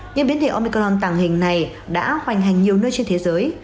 nhưng biến thể omicron tàng hình này đã hoành hành nhiều nơi trên thế giới